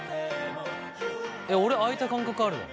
えっ俺開いた感覚あるわ。